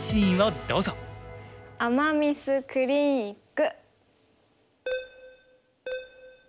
“アマ・ミス”クリニック。